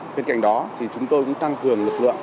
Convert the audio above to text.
bên cạnh đó thì chúng tôi cũng tăng cường lực lượng